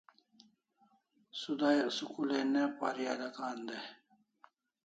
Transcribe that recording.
Sudayak school ai ne parialakan day